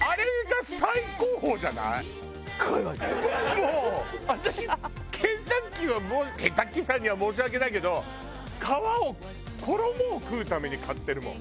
もう私ケンタッキーはもうケンタッキーさんには申し訳ないけど皮を衣を食うために買ってるもん。